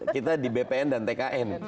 kita di bpn dan tkn